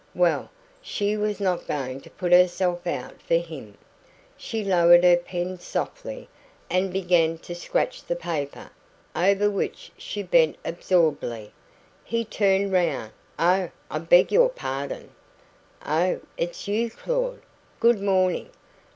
Well, she was not going to put herself out for him. She lowered her pen softly, and began to scratch the paper, over which she bent absorbedly. He turned round. "Oh, I beg your pardon " "Oh, it's you, Claud! Good morning!